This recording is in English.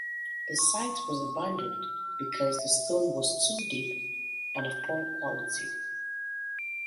The site was abandoned because the stone was too deep and of poor quality.